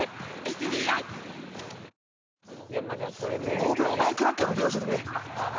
５秒前クラッカーも用意してくれ。